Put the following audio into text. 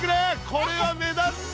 これは目立つぞ。